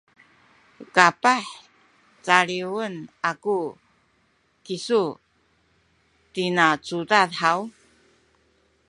kapah caliwen aku kisu tina cudad haw?